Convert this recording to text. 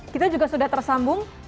kita juga sudah tersambung